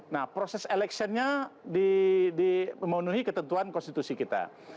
nah proses electionnya memenuhi ketentuan konstitusi kita